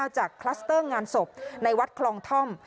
คลัสเตอร์งานศพในวัดคลองท่อม